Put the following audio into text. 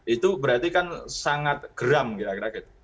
itu berarti kan sangat geram kira kira gitu